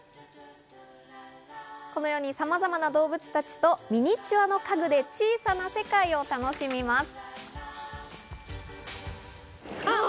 このように、さまざまな動物たちとミニチュアの家具で小さな世界を楽しみます。